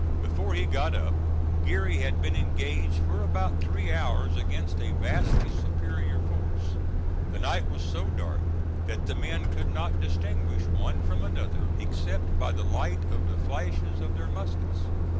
Before he got up, Geary had been engaged for about three hours against a vastly superior force. The night was so dark that the men could not distinguish one from another except by the light of the flashes of their muskets.